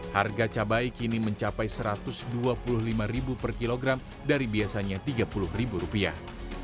harga cabai kini mencapai satu ratus dua puluh lima per kilogram dari biasanya tiga puluh rupiah